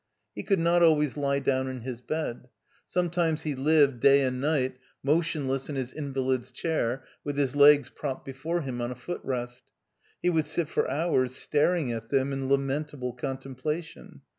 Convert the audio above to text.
He could not always lie down in his bed. Sometimes he lived, day and night, motionless in his invalid's chair, with his legs propped before him on a footrest. He would sit for hours staring at them in lamentable contempla tion.